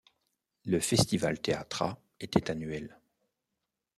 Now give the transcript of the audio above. Le Festival Théâtra était annuel.